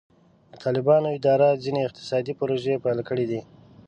د طالبانو اداره ځینې اقتصادي پروژې پیل کړي دي.